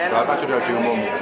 bapak sudah diumum